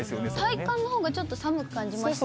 体感のほうがちょっと寒く感じますね。